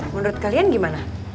menurut kalian gimana